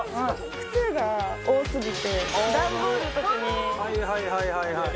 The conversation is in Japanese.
靴が多すぎて段ボールとかに入れて。